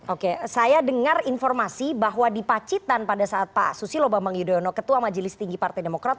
oke saya dengar informasi bahwa di pacitan pada saat pak susilo bambang yudhoyono ketua majelis tinggi partai demokrat